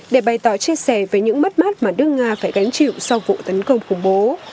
để bày tỏ chia sẻ về những mất mát mà nước nga phải gánh chịu sau vụ tấn công khủng bố